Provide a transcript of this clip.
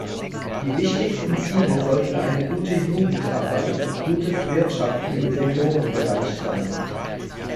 Die wichtigsten Ziele sollten eine gute Jugendarbeit und gutes Wirtschaften im Seniorenbereich sein.